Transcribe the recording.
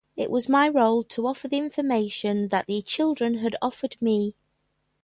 It was my role to offer the information that the children had offered me.